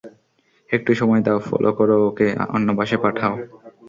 একটু সময় দাও ফলো করো ওকে - অন্যপাশে পাঠাও।